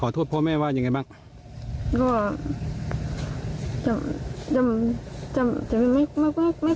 ขอโทษพ่อแม่ว่ายังไงบ้างว่าจำจำไม่กูหกแม่อะไร